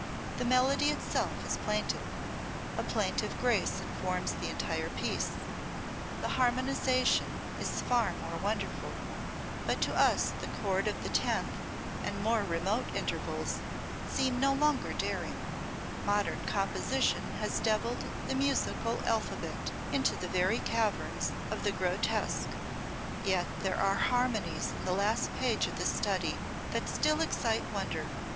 The melody itself is plaintive; a plaintive grace informs the entire piece. The harmonization is far more wonderful, but to us the chord of the tenth and more remote intervals, seem no longer daring; modern composition has devilled the musical alphabet into the very caverns of the grotesque, yet there are harmonies in the last page of this study that still excite wonder.